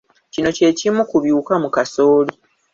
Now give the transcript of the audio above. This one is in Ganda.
Kino kye kimu ku biwuka mu kasooli.